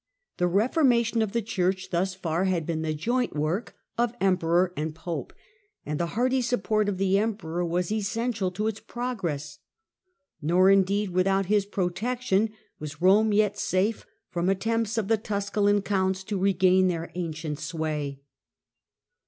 The reformation of the Church thus far had been the joint work of em peror and pope ; and the hearty support of the emperor was essential to its progress. Nor, indeed, without his protection was Rome yet safe from attempts of the, Tusculan counts to regain their ancient sway.